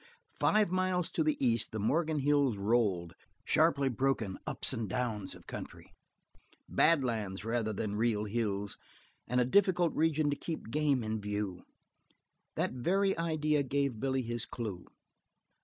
Five miles to the east the Morgan Hills rolled, sharply broken ups and downs of country bad lands rather than real hills, and a difficult region to keep game in view. That very idea gave Billy his clue.